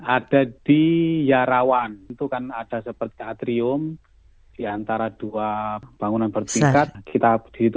ada di yarawan itu kan ada seperti atrium di antara dua bangunan bertingkat